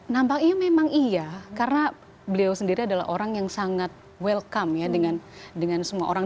nampaknya memang iya karena beliau sendiri adalah orang yang sangat welcome ya dengan semua orang